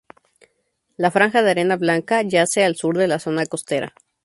La franja de arena blanca yace al sur de la zona costera.